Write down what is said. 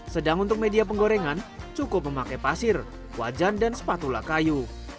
sedang untuk media penggorengan cukup memakai pasir wajan dan sepatula kayu